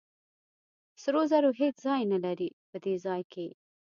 سرو زرو هېڅ ځای نه لري په دې ځای کې.